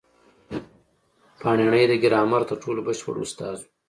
پاڼيڼى د ګرامر تر ټولو بشپړ استاد وو.